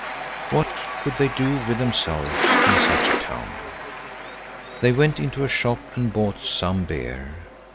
What could they do with themselves in such a town! They went into a shop and bought some beer.